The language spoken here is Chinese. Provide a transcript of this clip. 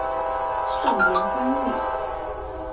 授盐官尉。